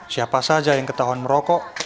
siapa saja yang ketahuan merokok